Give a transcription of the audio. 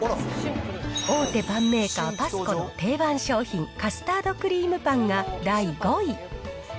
大手パンメーカー、パスコの定番商品、カスタードクリームパンが第５位。